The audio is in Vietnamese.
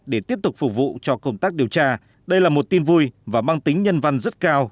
để tiếp tục phục vụ cho công tác điều tra đây là một tin vui và mang tính nhân văn rất cao